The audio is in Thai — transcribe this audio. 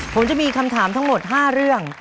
ผมจะมีคำถามทั้งหมด๕เรื่อง